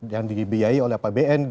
yang dibiayai oleh pbn